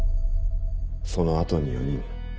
その後に４人。